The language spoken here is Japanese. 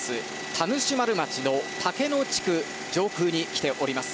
田主丸町の竹野地区上空に来ています。